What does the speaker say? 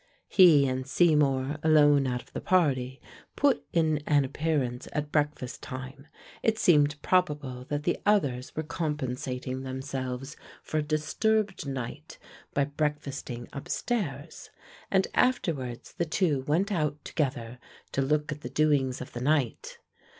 He and Seymour alone out of the party put in an appearance at breakfast time: it seemed probable that the others were compensating themselves for a disturbed night by breakfasting upstairs, and afterwards the two went out together to look at the doings of the night.